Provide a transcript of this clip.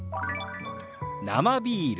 「生ビール」。